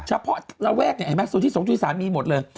เฉพาะระแวกไอ้แม็กซูที่สงสุธิศาสตร์มีหมดเลย